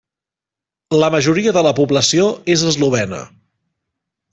La majoria de la població és eslovena.